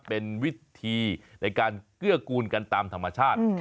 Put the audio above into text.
เป็นวิธีในการเกื้อกูลกันตามธรรมชาติ